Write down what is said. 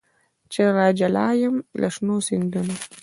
چي راجلا یم له شنو سیندونو